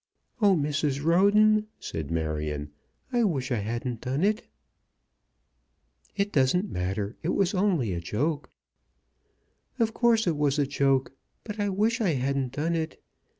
"Oh, Mrs. Roden," said Marion, "I wish I hadn't done it." "It doesn't matter. It was only a joke." "Of course it was a joke! but I wish I hadn't done it.